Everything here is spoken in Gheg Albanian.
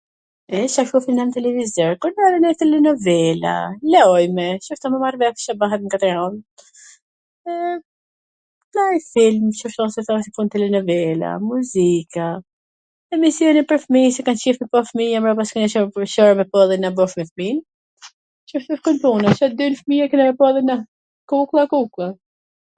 E Ca shofim na n televizor? Po na nonjer telenovela, lajme, thjesht sa me marr vesh Ca bahet n kwt an, e, nanj film ose siC thash telenovela, muzik, emisione pwr fmij qw ka qef me pa fmija me pas koh shofim dhe na bashk me fmin, kshtu shkon puna, Ca don fmija e kena pa edhe na, kuklla, kuklla,